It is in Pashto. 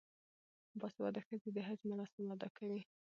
باسواده ښځې د حج مراسم ادا کوي.